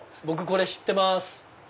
僕これ知ってます！